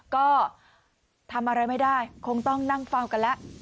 ก็ทำอะไรไม่ได้คงต้องนั่งเฝ้ากันแล้ว